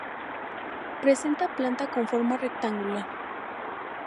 Presenta planta con forma rectangular.